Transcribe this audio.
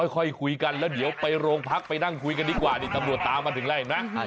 ค่อยคุยกันแล้วเดี๋ยวไปโรงพักไปนั่งคุยกันดีกว่านี่ตำรวจตามมาถึงแล้วเห็นไหม